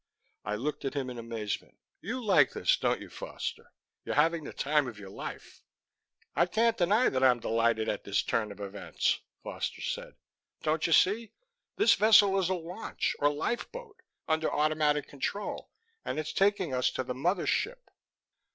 I looked at him in amazement. "You like this, don't you, Foster? You're having the time of your life." "I can't deny that I'm delighted at this turn of events," Foster said. "Don't you see? This vessel is a launch, or lifeboat, under automatic control. And it's taking us to the mother ship."